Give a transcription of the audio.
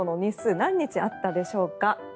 何日あったでしょうか？